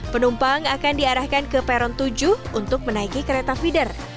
penumpang akan diarahkan ke peron tujuh untuk menaiki kereta feeder